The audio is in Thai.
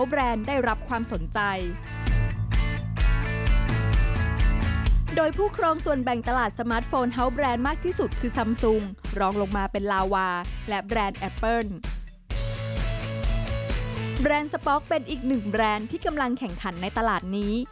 แรนด์สป๊อกเป็นอีกหนึ่งแบรนด์ที่กำลังแข่งขันในตลาดนี้